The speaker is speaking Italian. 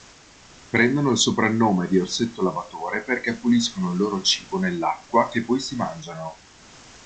Prendono il soprannome di orsetto lavatore perché puliscono il loro cibo nell'acqua che poi si mangiano.